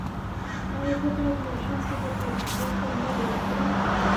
ایا زه باید ماشوم ته د قبضیت درمل ورکړم؟